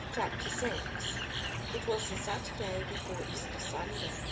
CHAPTER VI It was the Saturday before Easter Sunday.